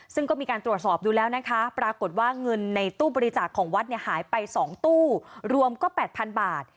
ซึ่งก็มีการตรวจสอบดูแล้วนะคะปรากฏว่าเงินในตู้บริจาคของวัดเนี่ยหายไป๒ตู้รวมก็๘๐๐๐บาท